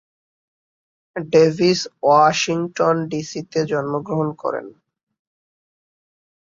Davies Washington ডিসিতে জন্মগ্রহণ করেন।